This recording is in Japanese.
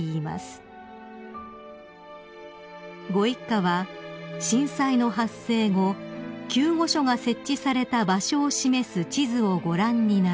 ［ご一家は震災の発生後救護所が設置された場所を示す地図をご覧になり］